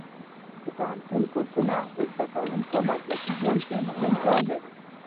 د پوهنتون کورسونه د زده کوونکو مسلکي ژوند کې مهم ځای لري.